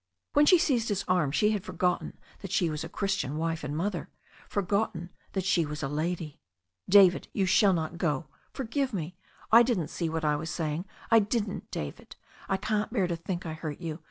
When she seized his arm she had forgotten that she was a Christian wife and mother, forgotten that she was a lady. "David, you shall not go. Forgive me — ^I didn't see what I was saying. I didn't, David. I can't bear to think I hurt you.